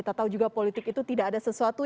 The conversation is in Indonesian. itu tidak ada sesuatu